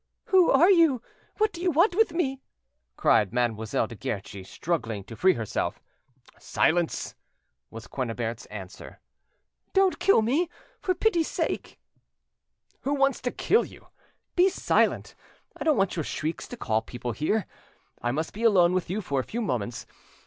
"Who are you? What do you want with me?" cried Mademoiselle de Guerchi, struggling to free herself. "Silence!" was Quennebert's answer. "Don't kill me, for pity's sake!" "Who wants to kill you? But be silent; I don't want your shrieks to call people here. I must be alone with you for a few moments.